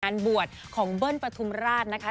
บวชของเบิ้ลปฐุมราชนะคะ